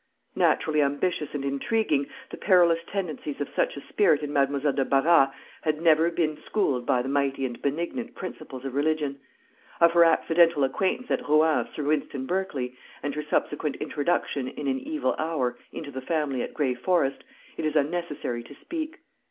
Naturally ambitious and intriguing, the perilous tendencies of such a spirit in Mademoiselle de Barras had never been schooled by the mighty and benignant principles of religion; of her accidental acquaintance at Rouen with Sir Wynston Berkley, and her subsequent introduction, in an evil hour, into the family at Gray Forest, it is unnecessary to speak.